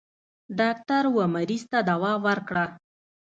ډاکټر و مريض ته دوا ورکړه.